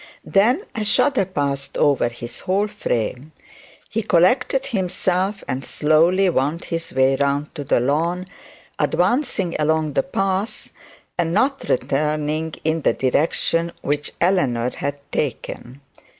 Then a shudder passed over his whole frame; he collected himself, and slowly wound his way round to the lawn, advancing along the path and not returning in the direction which Eleanor had taken.